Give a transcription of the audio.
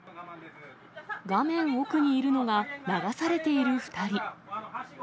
画面奥にいるのが、流されている２人。